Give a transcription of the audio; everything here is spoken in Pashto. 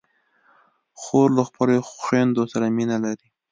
خور له خپلو خویندو سره مینه لري.